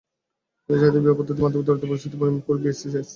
মৌলিক চাহিদার ব্যয় পদ্ধতির মাধ্যমে দারিদ্র্য পরিস্থিতি পরিমাপ করে বিবিএস।